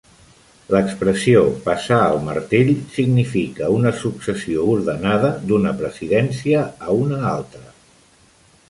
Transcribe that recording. L'expressió "passar el martell" significa una successió ordenada d'una presidència a una altra.